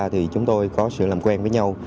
thì chúng tôi có sự làm quen với nhau